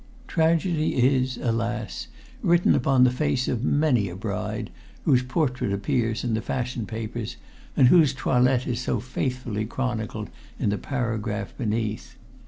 Tragedy is, alas! written upon the face of many a bride whose portrait appears in the fashion papers and whose toilette is so faithfully chronicled in the paragraph beneath.